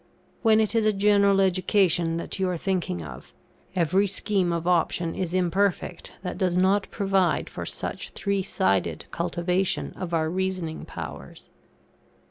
When it is a general education that you are thinking of, every scheme of option is imperfect that does not provide for such three sided cultivation of our reasoning powers.